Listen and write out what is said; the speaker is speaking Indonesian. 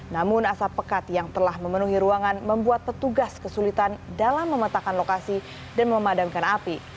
namun asap pekat yang telah memenuhi ruangan membuat petugas kesulitan dalam memetakan lokasi dan memadamkan api